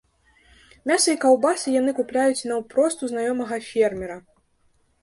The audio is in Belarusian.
Мяса і каўбасы яны купляюць наўпрост у знаёмага фермера.